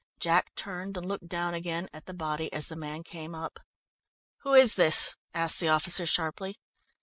Jack turned and looked down again at the body as the man came up. "Who is this?" asked the officer sharply.